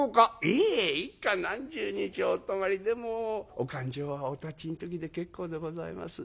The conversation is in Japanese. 「いえ幾日何十日お泊まりでもお勘定はおたちの時で結構でございます」。